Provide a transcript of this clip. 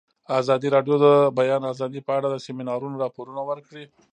ازادي راډیو د د بیان آزادي په اړه د سیمینارونو راپورونه ورکړي.